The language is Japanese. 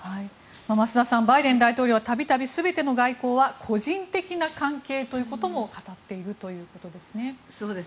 増田さんバイデン大統領は度々、全ての外交は個人的な関係ということも語っているということですね。